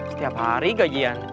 setiap hari gajian